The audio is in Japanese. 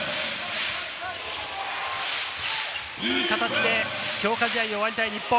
いい形で強化試合を終わりたい日本。